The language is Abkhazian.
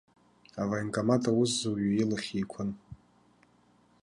Авоенкомат аусзуҩы илахь еиқәын.